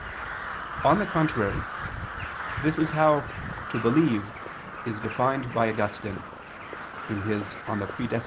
On the contrary, This is how "to believe" is defined by Augustine (De Praedest.